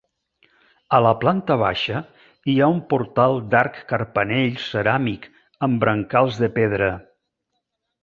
A la planta baixa hi ha un portal d'arc carpanell ceràmic amb brancals de pedra.